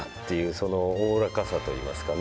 そのおおらかさといいますかね。